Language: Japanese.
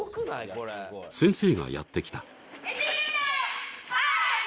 先生がやって来た。